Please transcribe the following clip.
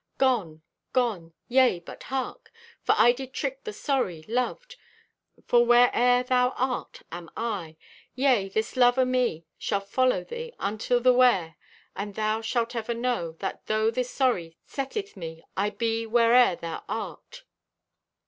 Gone! Gone! Yea, but hark! For I did trick the sorry, loved; For where e'er thou art am I. Yea, this love o' me shall follow thee Unto the Where, and thou shalt ever know That though this sorry setteth me I be where'er thou art."